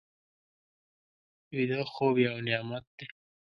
ویده خوب یو نعمت دی